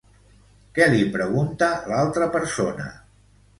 Què li pregunta l'altra persona?